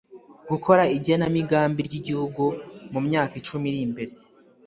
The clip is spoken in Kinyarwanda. gukora igenamigambi ry'igihugu mu myaka icumi iri imbere